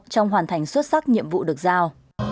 trong hoàn thành xuất sắc nhiệm vụ được giao